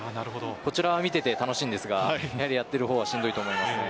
こちらは見ていて楽しいんですがやっている方はしんどいと思いますね。